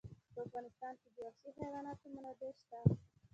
په افغانستان کې د وحشي حیوانات منابع شته.